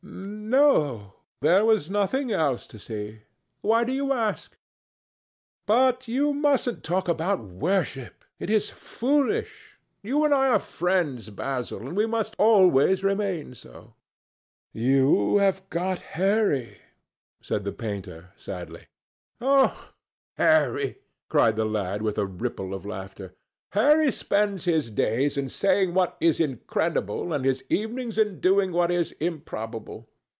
"No; there was nothing else to see. Why do you ask? But you mustn't talk about worship. It is foolish. You and I are friends, Basil, and we must always remain so." "You have got Harry," said the painter sadly. "Oh, Harry!" cried the lad, with a ripple of laughter. "Harry spends his days in saying what is incredible and his evenings in doing what is improbable.